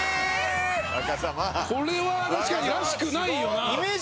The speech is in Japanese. これは確かにらしくないよな。